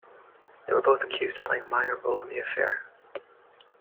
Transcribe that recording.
They were both accused of playing a minor role in the affair.